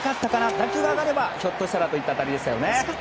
打球が上がればひょっとしたらという打球でしたね。